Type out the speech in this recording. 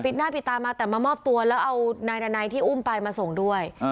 หน้าปิดตามาแต่มามอบตัวแล้วเอานายดานัยที่อุ้มไปมาส่งด้วย